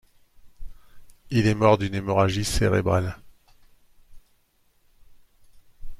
Il est mort d'une hémorragie cérébrale.